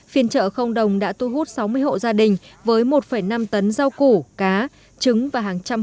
phiên chợ không đồng đã tu hút sáu mươi hộ gia đình với một năm tấn rau củ cá trứng và hàng trăm hộp